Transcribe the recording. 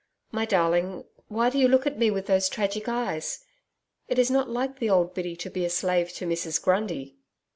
My darling, why do you look at me with those tragic eyes? It is not like the old Biddy to be a slave to Mrs Grundy.'